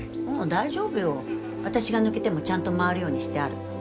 大丈夫よ。あたしが抜けてもちゃんと回るようにしてある